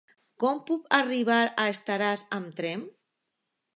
Com puc arribar a Estaràs amb tren?